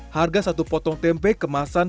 harga satu potong tempe kemasan